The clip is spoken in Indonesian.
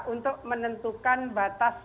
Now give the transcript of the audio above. untuk menentukan batas